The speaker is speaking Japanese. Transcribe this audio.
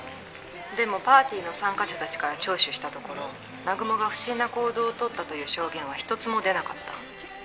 「でもパーティーの参加者たちから聴取したところ南雲が不審な行動を取ったという証言は一つも出なかった」